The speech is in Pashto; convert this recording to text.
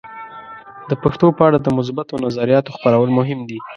د پښتو په اړه د مثبتو نظریاتو خپرول مهم دي.